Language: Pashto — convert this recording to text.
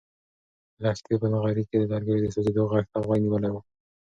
لښتې په نغري کې د لرګیو د سوزېدو غږ ته غوږ نیولی و.